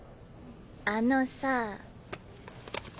あのさぁ。